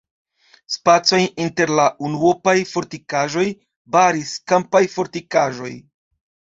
Spacojn inter la unuopaj fortikaĵoj baris kampaj fortikaĵoj.